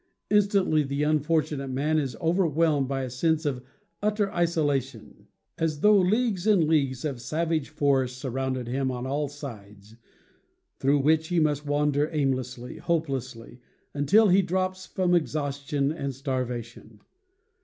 Instantly the unfortunate man is overwhelmed by a sense of utter isolation, as though leagues and leagues of savage forest surrounded him on all sides, through which he must wander aimlessly, hopelessly, until he drops from exhaustion and starvation.